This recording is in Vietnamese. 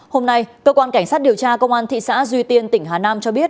hôm nay cơ quan cảnh sát điều tra công an thị xã duy tiên tỉnh hà nam cho biết